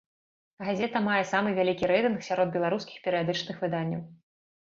Газета мае самы вялікі рэйтынг сярод беларускіх перыядычных выданняў.